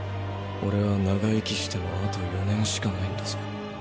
オレは長生きしてもあと４年しかないんだぞ。